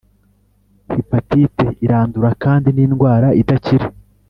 Hipatite irandura kndi nindwara idakira